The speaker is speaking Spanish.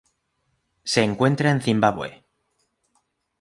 Se encuentra en Zimbabue.